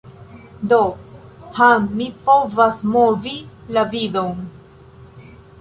Do... ha mi povas movi la vidon.